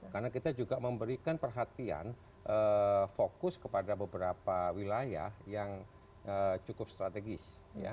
karena kita juga memberikan perhatian fokus kepada beberapa wilayah yang cukup strategis